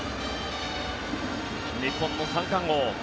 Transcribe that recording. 日本の三冠王。